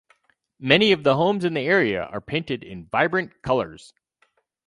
Many of the homes in the area are painted in vibrant colors.